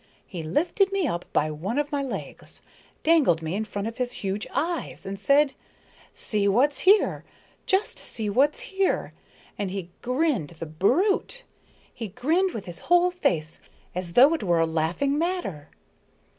He lifted me by one of my legs, dangled me in front of his huge eyes, and said: 'See what's here, just see what's here.' And he grinned the brute! he grinned with his whole face, as though it were a laughing matter."